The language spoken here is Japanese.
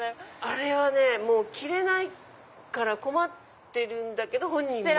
あれはねもう着れないから困ってるんだけど本人も。